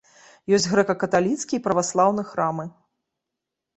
Ёсць грэка-каталіцкі і праваслаўны храмы.